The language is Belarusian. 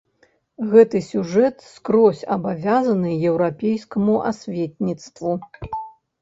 Гэты сюжэт скрозь абавязаны еўрапейскаму асветніцтву.